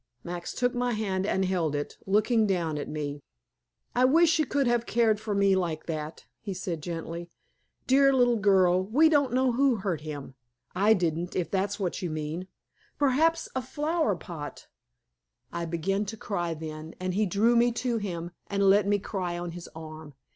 Max took my hand and held it, looking down at me. "I wish you could have cared for me like that," he said gently. "Dear little girl, we don't know who hurt him. I didn't, if that's what you mean. Perhaps a flower pot " I began to cry then, and he drew me to him and let me cry on his arm.